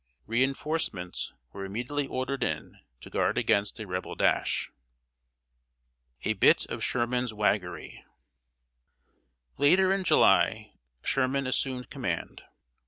Re enforcements were immediately ordered in, to guard against a Rebel dash. [Sidenote: A BIT OF SHERMAN'S WAGGERY.] Later in July, Sherman assumed command.